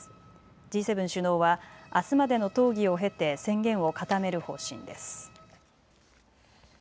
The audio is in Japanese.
Ｇ７首脳はあすまでの討議を経て宣言を固める方針です。